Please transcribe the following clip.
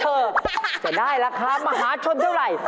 จะได้ราคามหาชนเท่าไหร่